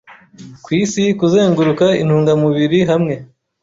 kwisikuzenguruka intungamubiri hamwe